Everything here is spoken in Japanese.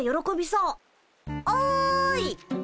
おい！